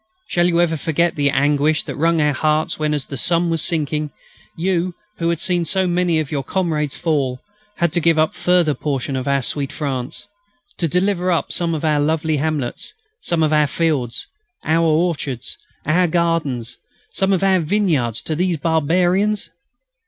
Shall you ever forget the anguish that wrung your hearts when, as the sun was sinking, you, who had seen so many of your comrades fall, had to give up a further portion of our sweet France; to deliver up some of our lovely hamlets, some of our fields, our orchards, our gardens, some of our vineyards, to the barbarians?...